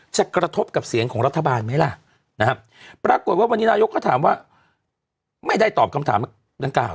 กระทบกับเสียงของรัฐบาลไหมล่ะนะครับปรากฏว่าวันนี้นายกก็ถามว่าไม่ได้ตอบคำถามดังกล่าว